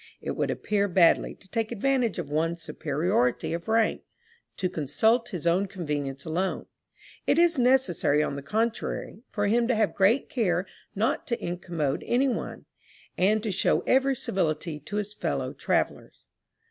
It would appear badly, to take advantage of one's superiority of rank, to consult his own convenience alone. It is necessary on the contrary, for him to have great care not to incommode any one, and to show every civility to his fellow travellers.